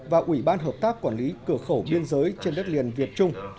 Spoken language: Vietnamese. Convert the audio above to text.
và ủy ban hợp tác quản lý cửa khẩu biên giới trên đất liền việt trung